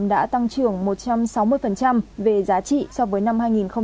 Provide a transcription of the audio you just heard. đã tăng trưởng một trăm sáu mươi về giá trị so với năm hai nghìn một mươi tám